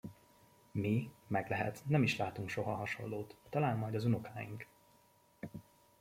Mi, meglehet, nem is látunk soha hasonlót, talán majd az unokáink.